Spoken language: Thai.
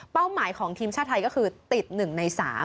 หมายของทีมชาติไทยก็คือติด๑ใน๓